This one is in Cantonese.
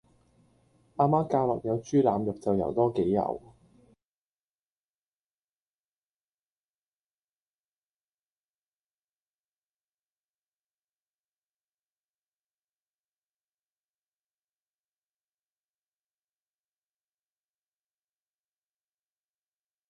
行咗成個下晝鬼咁攰諗住抖一抖